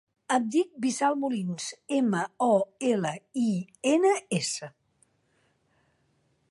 Em dic Wissal Molins: ema, o, ela, i, ena, essa.